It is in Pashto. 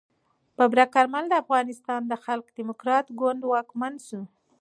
ببرک کارمل د افغانستان د خلق دموکراتیک ګوند واکمن شو.